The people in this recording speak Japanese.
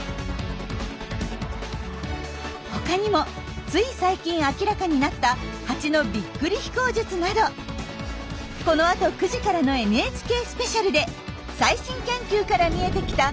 ほかにもつい最近明らかになったハチのびっくり飛行術などこのあと９時からの「ＮＨＫスペシャル」で最新研究から見えてきた